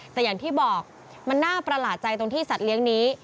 แต่อย่างที่บอกมันน่าประหลาดใจตรงที่สัตว์เลี้ยงนี้